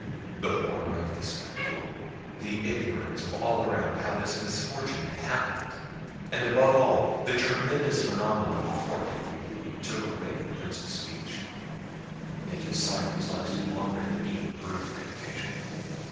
The horror of the spectacle, the ignorance of all around how this misfortune had happened, and above all, the tremendous phenomenon before him, took away the Prince's speech. Yet his silence lasted longer than even grief could occasion.